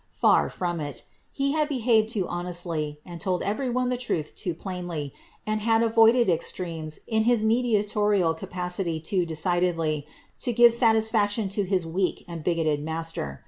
Far from it ; he had behaved too honestly, and told every one the truth too plainly, and had avoided extremes in his mediatorial capacity too decidedly, to give satis&ction to his weak and bigoted master.